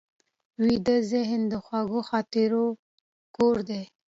ویده ذهن د خوږو خاطرو کور دی